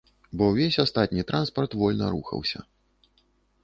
Бо ўвесь астатні транспарт вольна рухаўся.